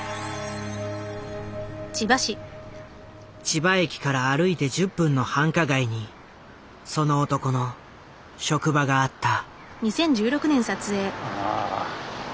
千葉駅から歩いて１０分の繁華街にその男の職場があった。